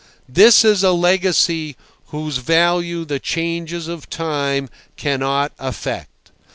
This is a legacy whose value the changes of time cannot affect.